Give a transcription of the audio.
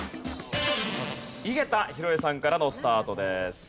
井桁弘恵さんからのスタートです。